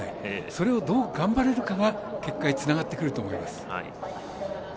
それをどう頑張れるかが結果につながってくると思います。